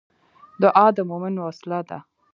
دعا د مومن وسله ده